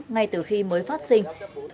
ngay từ khi mới phát sinh